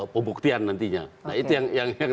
pembuktian nantinya nah itu yang